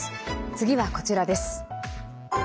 次はこちらです。